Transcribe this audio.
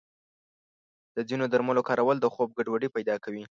د ځینو درملو کارول د خوب ګډوډي پیدا کوي.